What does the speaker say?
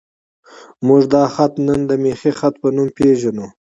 موږ دا خط نن د میخي خط په نوم پېژنو.